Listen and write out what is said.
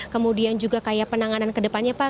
kemudian juga kayak penanganan kedepannya pak